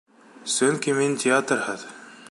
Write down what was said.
Сөнки мин театрһыҙ...